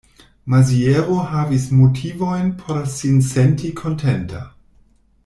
Maziero havis motivojn por sin senti kontenta.